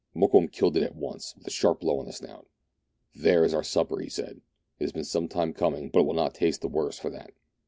Mokoum killed it at once with a sharp blow on the snout. " There is our supper," he said. " It has been some time coming, but it will not taste the worse for that.